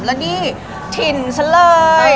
แล้วนี่ถิ่นฉันเลย